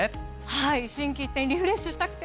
はい心機一転リフレッシュしたくて。